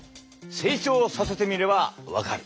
成長させてみれば分かる。